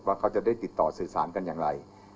เขาจะได้ติดต่อสื่อสารกันอย่างไร